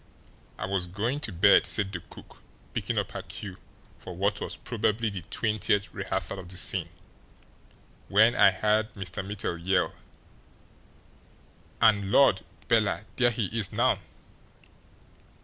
"I was going to bed," said the cook, picking up her cue for what was probably the twentieth rehearsal of the scene, "when I heard Mr. Mittel yell, and Lord, Bella, there he is now!"